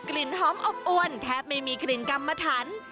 กลิ่นหอมอบอวนแทบไม่มีกลิ่นกำมะถัน